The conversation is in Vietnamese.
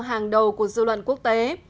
hàng đầu của dư luận quốc tế